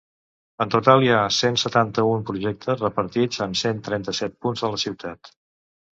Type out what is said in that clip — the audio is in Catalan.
En total, hi ha cent setanta-un projectes repartits en cent trenta-set punts de la ciutat.